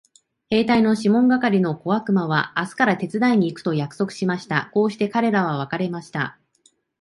兵隊のシモン係の小悪魔は明日から手伝いに行くと約束しました。こうして彼等は別れました。